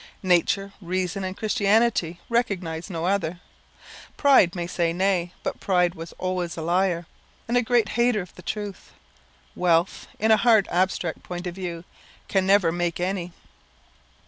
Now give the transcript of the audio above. Nature, reason, and Christianity, recognise no other. Pride may say nay; but pride was always a liar, and a great hater of the truth. Wealth, in a hard, abstract point of view, can never make any.